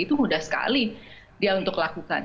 itu mudah sekali dia untuk lakukan